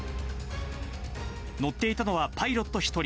乗っていたのはパイロット１人。